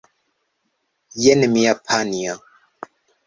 Jen mia panjo!